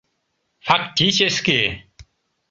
Фактически!..